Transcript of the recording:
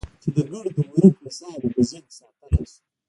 چې د ګردو ورقو حساب يې په ذهن کښې ساتلى سو.